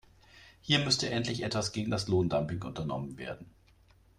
Hier müsste endlich etwas gegen das Lohndumping unternommen werden.